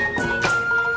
masih ada yang nangis